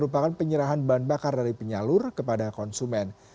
merupakan penyerahan bahan bakar dari penyalur kepada konsumen